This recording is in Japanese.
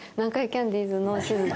キャンディーズ